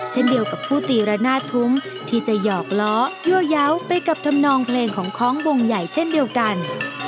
เช่นเดียวกับผู้ตีระนาดทุ้มที่จะหยอกล้อยั่วเยาว์ไปกับธรรมนองเพลงของคล้องวงใหญ่เช่นเดียวกัน